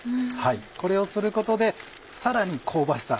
これをすることでさらに香ばしさ